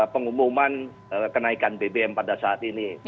pengumuman kenaikan bbm pada saat ini